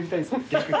逆に。